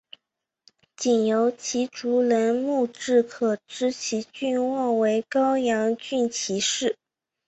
仅由其族人墓志可知其郡望为高阳郡齐氏。